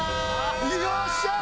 よっしゃー！